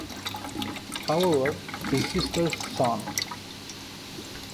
However, his sister's son.